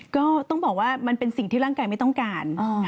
ก็ต้องบอกว่ามันเป็นสิ่งที่ร่างกายไม่ต้องการ